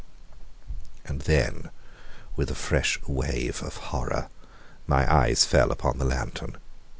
And then, with a fresh wave of horror, my eyes fell upon the lantern.